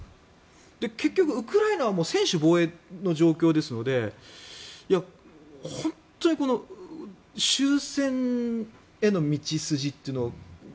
結局、ウクライナは専守防衛の状況ですので本当に終戦への道筋というのを。